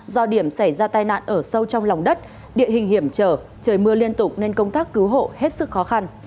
do điểm xảy ra tai nạn ở sâu trong lòng đất địa hình hiểm trở trời mưa liên tục nên công tác cứu hộ hết sức khó khăn